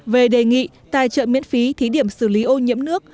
về đề nghị tài trợ miễn phí thí điểm xử lý ô nhiễm nước